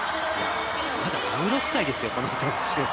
まだ１６歳ですよ、この選手。